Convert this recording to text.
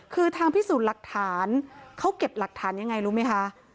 คือทางพิสูจน์หลักฐานเขาเก็บหลักฐานยังไงรู้ไหมคะ